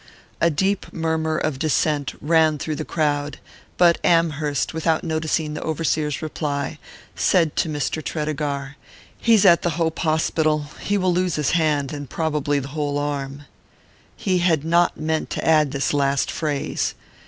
A deep murmur of dissent ran through the crowd, but Amherst, without noticing the overseer's reply, said to Mr. Tredegar: "He's at the Hope Hospital. He will lose his hand, and probably the whole arm." He had not meant to add this last phrase.